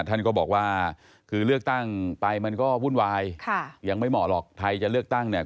ท่านก็บอกว่าคือเลือกตั้งไปมันก็วุ่นวายค่ะยังไม่เหมาะหรอกไทยจะเลือกตั้งเนี่ย